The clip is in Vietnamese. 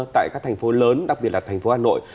tại các thành phố lớn đặc biệt là thành phố hà nội